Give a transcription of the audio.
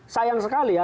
sayang sekali ya